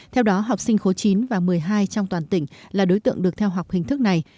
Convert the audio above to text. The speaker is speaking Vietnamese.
theo đó học sinh khối chín và một mươi hai trong toàn tỉnh là đối tượng được theo học hình thức này